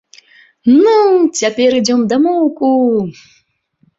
Ну, цяпер ідзём дамоўку!